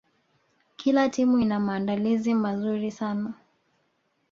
kila timu ina maandalizi mazuri sana